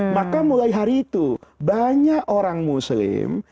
maka mulai hari itu banyak orang muslim